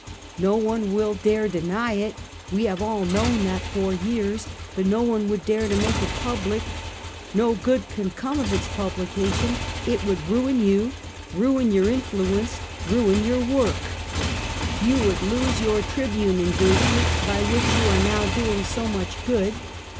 "Ko one will dare deny it. We have all known that for years, but no one would dare to make it pub lic. No good can come of its publication ; it would ruin yoUj ruin your influence, ruin your work. You Daniel "Webster. 133 would lose your Tr^ibune engagement, by which you are now doing so much good.